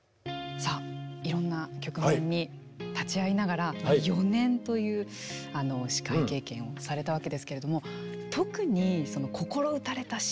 いろんな局面に立ち会いながら、４年という司会経験をされたわけですが特に心打たれたシーンって？